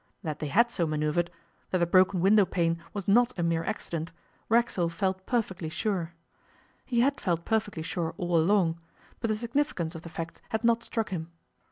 That they had so manoeuvred, that the broken window pane was not a mere accident, Racksole felt perfectly sure. He had felt perfectly sure all along; but the significance of the facts had not struck him.